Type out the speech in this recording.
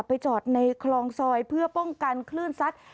ไปจอดในคลองซอยเพื่อป้องกันคลื่นซัด